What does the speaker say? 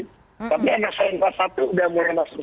tapi energi kelas satu udah mulai masuk